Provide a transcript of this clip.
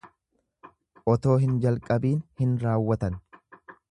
Otoo hin jalqabiin hin raawwatan.